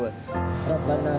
raghbana kaprik alaina suqrah